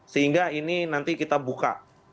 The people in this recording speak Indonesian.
sehingga ini nanti kita buka